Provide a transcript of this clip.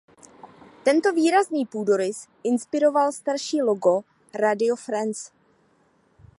Tento výrazný půdorys inspiroval starší logo Radio France.